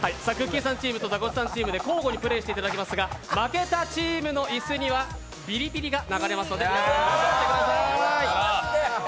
さんチームとザコシさんチームで交互にプレーしていただきますが、負けたチームの椅子にはビリビリが流れます。